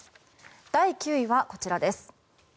第９位はこちらです。